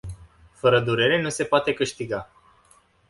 Fără durere nu se poate câștiga.